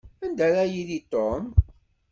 Anda ara yili Tom?